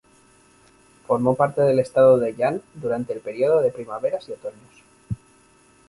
Formó parte del estado de Yan durante el periodo de Primaveras y Otoños.